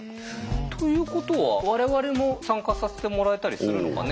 ということは我々も参加させてもらえたりするのかね。